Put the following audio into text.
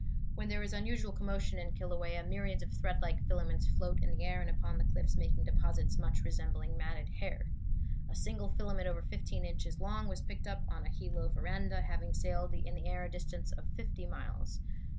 When there is unusual commotion in Kilauea myriads of thread like filaments float in the air and fall upon the cliffs, making deposits much resembling matted hair. A single filament over fifteen inches long was picked up on a Hilo veranda, having sailed in the air a distance of fifty miles.